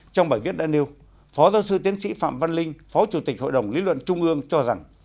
trong bài viết đã nêu phó giáo sư tiến sĩ phạm văn linh phó chủ tịch hội đồng lý luận trung ương cho rằng